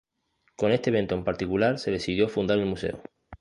Con este evento en particular, se decidió a fundar el museo.